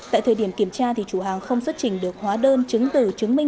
tại thời điểm kiểm tra chủ hàng không xuất trình được hóa đơn chứng từ chứng minh